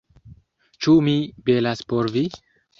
Ĉu mi belas por vi?